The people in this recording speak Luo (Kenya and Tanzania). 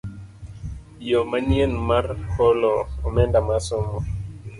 Yo manyien mar holo omenda mar somo